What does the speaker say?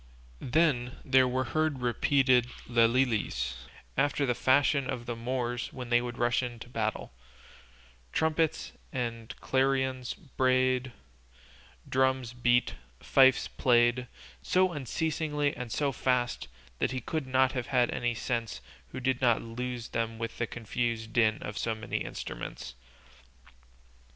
Then there were heard repeated lelilies after the fashion of the Moors when they rush to battle; trumpets and clarions brayed, drums beat, fifes played, so unceasingly and so fast that he could not have had any senses who did not lose them with the confused din of so many instruments.